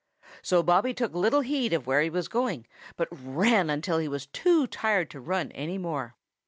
So Bobby took little heed of where he was going, but ran until he was too tired to run any more.